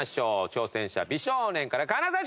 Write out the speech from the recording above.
挑戦者美少年から金指君！